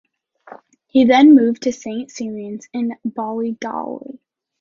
He then moved to Saint Ciaran's in Ballygawley.